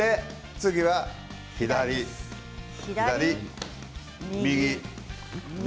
次は左、左、右、右。